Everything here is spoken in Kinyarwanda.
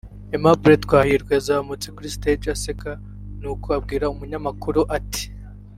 Aimable Twahirwa yazamutse kuri stage aseka n’uko abwira Umunyamakuru ati